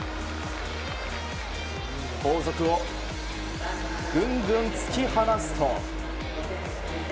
後続をぐんぐん突き放すと。